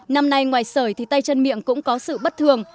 năm nay ngoài sởi thì tay chân miệng cũng có sự bất thường